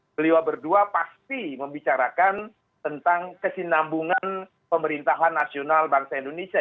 beliau berdua pasti membicarakan tentang kesinambungan pemerintahan nasional bangsa indonesia